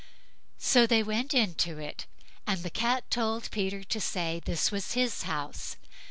So they went into it, and the Cat told Peter to say this was his house.